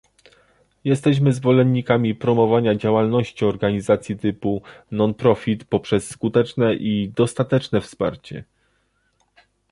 Jesteśmy zwolennikami promowania działalności organizacji typu non-profit poprzez skuteczne i dostateczne wsparcie